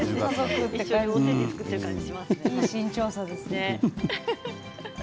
いい身長差ですね。